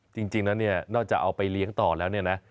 จริงแล้วเนี่ยนอกจากเอาไปเลี้ยงต่อแล้วเนี่ยนะ